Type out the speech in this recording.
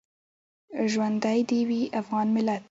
ژوندی دې وي افغان ملت